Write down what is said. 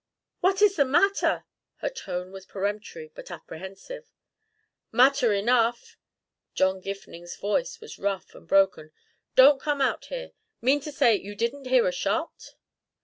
"What is the matter?" Her tone was peremptory but apprehensive. "Matter enough!" John Gifning's voice was rough and broken. "Don't come out here. Mean to say you didn't hear a shot?"